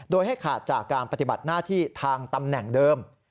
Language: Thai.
โดยให้ขาดจากการปฏิบัติหน้าที่ทางตำแหน่งเดิม